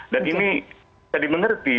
dan ini saya di mengerti